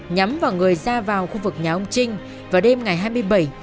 nhắm vào người ra vào khu vực nhà ông trinh vào đêm ngày hai mươi bảy